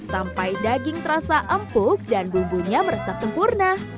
sampai daging terasa empuk dan bumbunya meresap sempurna